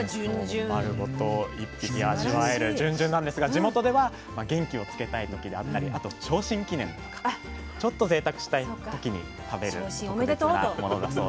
丸ごと一匹味わえるじゅんじゅんなんですが地元では元気をつけたい時であったりあと昇進記念とかちょっとぜいたくしたい時に食べる特別なものだそうです。